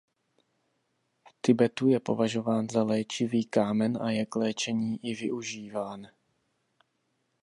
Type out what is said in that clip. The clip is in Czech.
V Tibetu je považován za léčivý kámen a je k léčení i využíván.